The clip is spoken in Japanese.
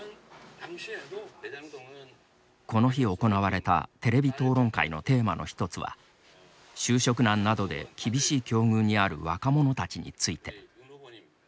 この日、行われたテレビ討論会のテーマの一つは就職難などで厳しい境遇にある若者たちについて。